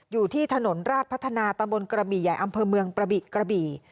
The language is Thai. อยู่ที่ถนนราชพัฒนาตำบลกระบี่ใหญ่อำเภอเมืองกระบิกระบี่